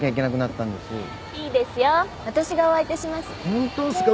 ホントっすか。